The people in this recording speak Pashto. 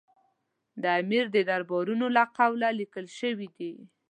د امیر د درباریانو له قوله لیکل شوي دي.